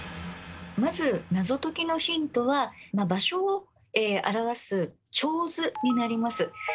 まず謎解きのヒントは場所を表す手水になります。